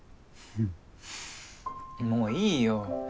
もういいよ